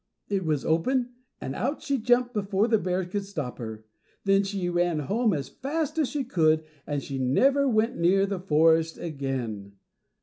It was open, and out she jumped before the bears could stop her. Then home she ran as fast as she could, and she never went near the forest again.